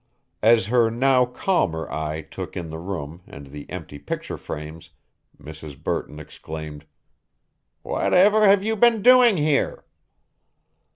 As her now calmer eye took in the room and the empty picture frames, Mrs. Burton exclaimed: "Whatever have you been doing here?"